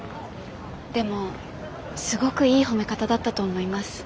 でもすごくいい褒め方だったと思います。